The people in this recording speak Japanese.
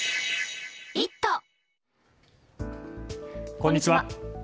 こんにちは。